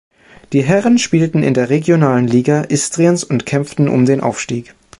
Die Herren spielten in der Regionalen Liga Istriens und kämpften oft um den Aufstieg.